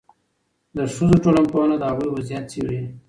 د ښځو ټولنپوهنه د هغوی وضعیت څېړي.